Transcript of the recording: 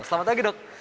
selamat pagi dok